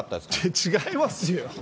違いますよ。